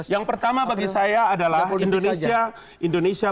yang pertama bagi saya adalah indonesia